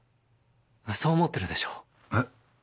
そう思ってるでしょう？え？